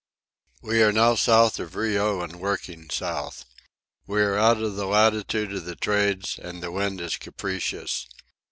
We are now south of Rio and working south. We are out of the latitude of the trades, and the wind is capricious.